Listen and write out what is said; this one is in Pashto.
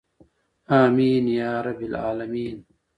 امین یا رب العالمین.